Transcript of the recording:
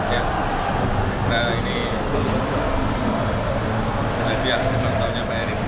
ya karena ini hadiah yang menangnya